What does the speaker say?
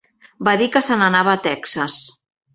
Va dir que se n'anava a Texas.